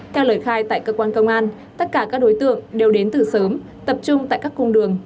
theo lời khai tại cơ quan công an tất cả các đối tượng đều đến từ sớm tập trung tại các cung đường